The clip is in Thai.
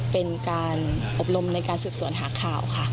เป็นการอบรมในการสืบสวนหาข่าวค่ะ